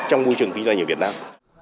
trong môi trường kinh doanh nghiệp việt nam